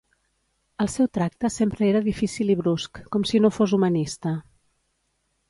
El seu tracte sempre era difícil i brusc, com si no fos humanista.